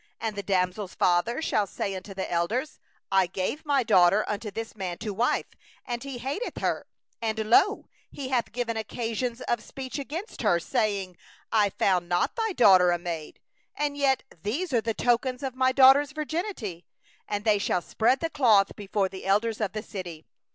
16And the damsel's father shall say unto the elders: 'I gave my daughter unto this man to wife, and he hateth her; 17and, lo, he hath laid wanton charges, saying: I found not in thy daughter the tokens of virginity; and yet these are the tokens of my daughter's virginity.' And they shall spread the garment before the elders of the city.